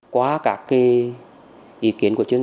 quá cả cái ý kiến của chúng tôi